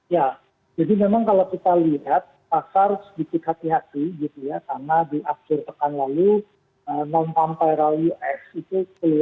ya jadi memang kalau kita lihat pasar sedikit hati hati gitu ya sama di akhir pekan lalu